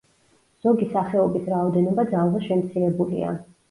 ზოგი სახეობის რაოდენობა ძალზე შემცირებულია.